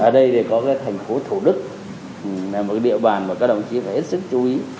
ở đây có thành phố thủ đức là một địa bàn mà các đồng chí phải hết sức chú ý